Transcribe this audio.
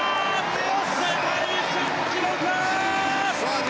世界新記録！